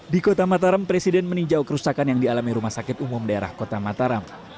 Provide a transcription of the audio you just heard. di kota mataram presiden meninjau kerusakan yang dialami rumah sakit umum daerah kota mataram